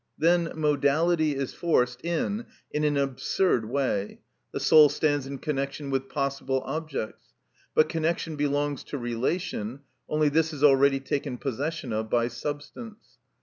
Then modality is forced in in an absurd way; the soul stands in connection with possible objects; but connection belongs to relation, only this is already taken possession of by substance.